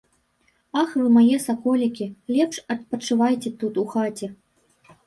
Ах вы мае саколікі, лепш адпачывайце тут у хаце.